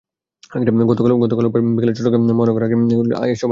গতকাল রোববার বিকেলে চট্টগ্রাম মহানগর হাকিম মোহাম্মদ ফরিদ আলম এসব আদেশ দেন।